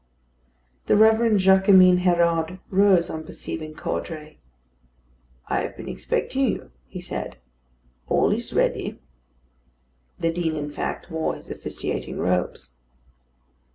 The Reverend Jaquemin Hérode rose on perceiving Caudray. "I have been expecting you," he said. "All is ready." The Dean, in fact, wore his officiating robes.